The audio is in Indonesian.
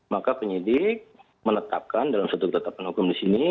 maka penyidik menetapkan dalam satu ketetapan hukum di sini